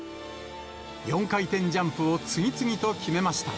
４回転ジャンプを次々と決めました。